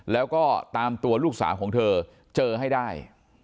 แล้วก็ตามตัวลูกสาวของเธอเจอให้ได้